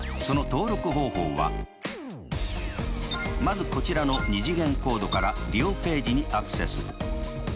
その登録方法はまずこちらの２次元コードから利用ページにアクセス。